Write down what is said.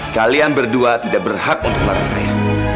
kalian berdua tidak berhak untuk melarang saya